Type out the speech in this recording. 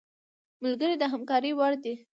ملګری د همکارۍ وړ دی